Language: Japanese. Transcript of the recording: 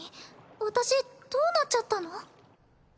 私どうなっちゃったの？